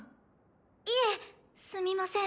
いえすみません。